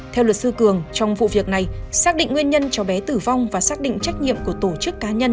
theo luật sư cường trong vụ việc này xác định nguyên nhân cháu bé tử vong và xác định trách nhiệm của tổ chức cá nhân